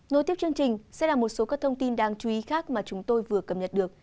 nối tiếp chương trình sẽ là một số các thông tin đáng chú ý khác mà chúng tôi vừa cập nhật được